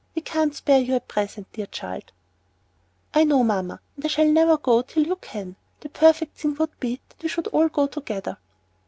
We can't spare you at present, dear child." "I know, mamma, and I shall never go till you can. The perfect thing would be that we should all go together."